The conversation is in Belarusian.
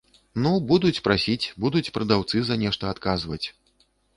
Ну, будуць прасіць, будуць прадаўцы за нешта адказваць.